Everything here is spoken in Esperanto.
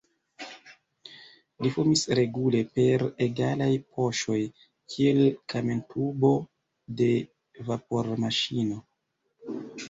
Li fumis regule, per egalaj puŝoj, kiel kamentubo de vapormaŝino.